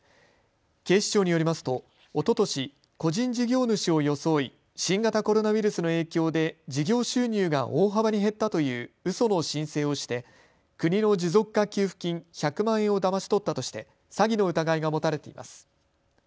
警視庁によりますとおととし個人事業主を装い新型コロナウイルスの影響で事業収入が大幅に減ったといううその申請をして国の持続化給付金１００万円をだまし取ったとして詐欺の疑いが持たれています。